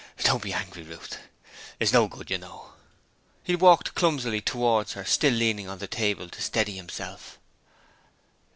'Don't be angry, Ruth. It's no good, you know.' He walked clumsily towards her, still leaning on the table to steady himself.